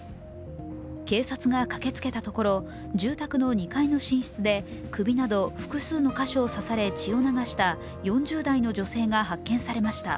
警察が駆けつけたところ、住宅の２階の寝室で、首などを複数の箇所を刺され血を流した４０代の女性が発見されました。